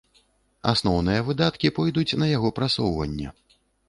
Асноўныя выдаткі пойдуць на яго прасоўванне.